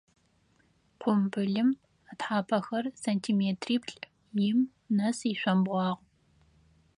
Къумбылым ытхьапэхэр сантиметриплӏ-им нэс ишъомбгъуагъ.